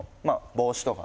帽子とか？